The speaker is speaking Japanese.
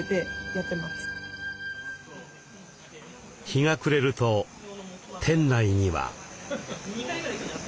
日が暮れると店内には。